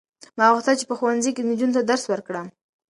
ما غوښتل چې په ښوونځي کې نجونو ته درس ورکړم.